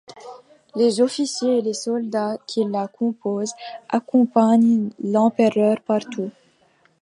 Les officiers et les soldats qui la composent accompagnent l'Empereur partout.